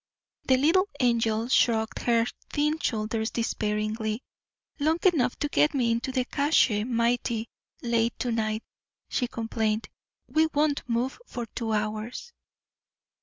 The Little Angel shrugged her thin shoulders despairingly. "Long enough to get me into The Cache mighty late to night," she complained. "We won't move for two hours."